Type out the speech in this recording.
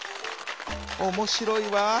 「おもしろいわ」。